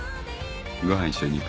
ご飯一緒に行く？